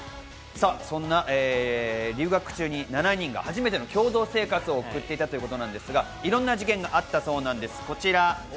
そんな留学中に７人が初めての共同生活を送っていたということですが、いろんな事件があったそうです、こちら。